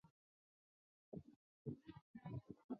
数千辽军没有战胜萧海里。